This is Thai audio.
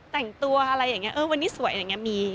แต่งตัวอะไรอย่างเงี้ยเออวันนี้สวยอย่างเงี้ย